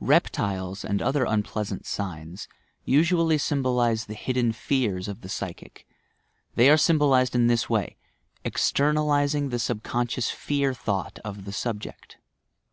Reptiles, and other unpleasant signs, usually sym bolize the hidden fears of the psychic ; they are symbol ized in this way — "externalizing" the subconscious fear thought of the subject.